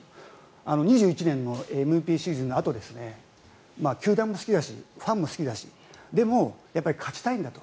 ２１年のシーズンのあと球団も好きだしファンも好きだしでも勝ちたいんだと。